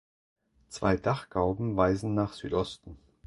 Zwei Dachgauben weisen nach Südosten.